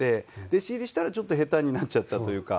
弟子入りしたらちょっと下手になっちゃったというか。